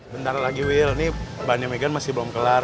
bentar lagi wil nih bannya megan masih belum kelar